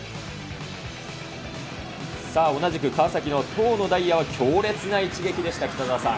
同じく川崎の遠野だいやは強烈な一撃でした、北澤さん。